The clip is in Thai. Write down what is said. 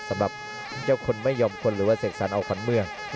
สำหรับเจ้าคนไม่ยอมคนหรือว่าเสกสรรออกขวัญเมือง